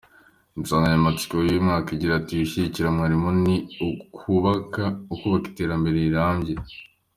Insanganyamatsiko y’uyu mwaka igira iti ‘Gushyigikira Mwarimu ni ukubaka iterambere rirambye.